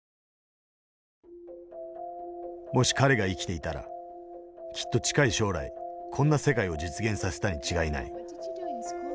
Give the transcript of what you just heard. もし彼が生きていたらきっと近い将来こんな世界を実現させたに違いない。